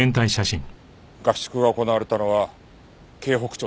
合宿が行われたのは京北町だった。